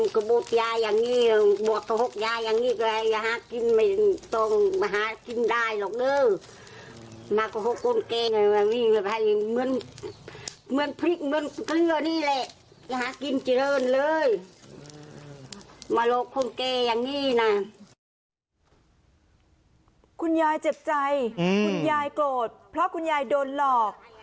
คุณยายเจ็บใจคุณยายโกรธเพราะคุณยายโดนหลอก